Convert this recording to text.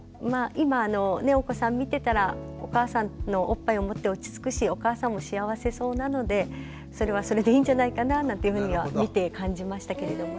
今お子さん見てたらお母さんのおっぱいをもって落ち着くしお母さんも幸せそうなのでそれはそれでいいんじゃないかななんていうふうには見て感じましたけれどもね。